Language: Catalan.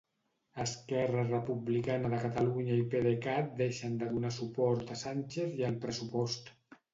Esquerra Republicana de Catalunya i PDeCAT deixen de donar suport a Sánchez i al pressupost.